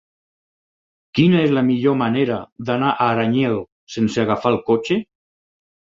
Quina és la millor manera d'anar a Aranyel sense agafar el cotxe?